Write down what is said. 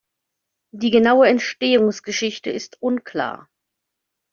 Die genaue Entstehungsgeschichte ist unklar.